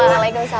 aduh salam ustaz